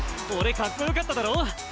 俺かっこよかっただろ？